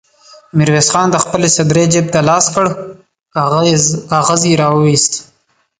ميرويس خان د خپلې سدرۍ جېب ته لاس کړ، کاغذ يې را وايست.